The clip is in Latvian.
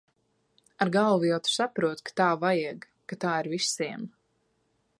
Ar galvu jau tu saproti, ka tā vajag, ka tā ir visiem.